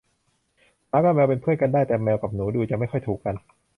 หมากับแมวเป็นเพื่อนกันได้ แต่แมวกับหนูดูจะไม่ค่อยถูกกัน